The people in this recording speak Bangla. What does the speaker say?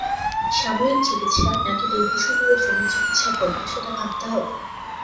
সাময়িক চিকিৎসা, নাকি দীর্ঘ সময়ের জন্য চিকিৎসা করব, সেটা ভাবতে হবে।